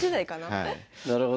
なるほど。